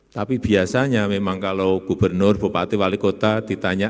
tapi biasanya memang kalau gubernur bupati wali kota ditanya